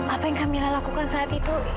apa yang kamila lakukan saat itu